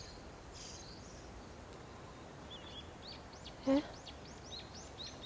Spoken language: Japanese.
えっ？